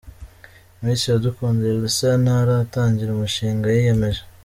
Miss Iradukunda Elsa ntaratangira umushinga yiyemeje?.